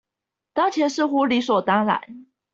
當前似乎理所當然